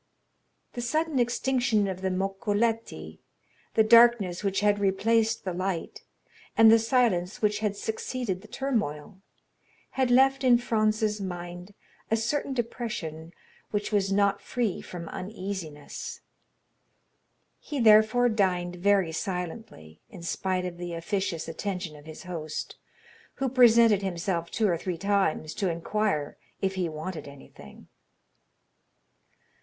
The sudden extinction of the moccoletti, the darkness which had replaced the light, and the silence which had succeeded the turmoil, had left in Franz's mind a certain depression which was not free from uneasiness. He therefore dined very silently, in spite of the officious attention of his host, who presented himself two or three times to inquire if he wanted anything.